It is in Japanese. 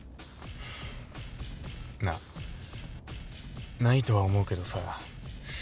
なあ？ないとは思うけどさ。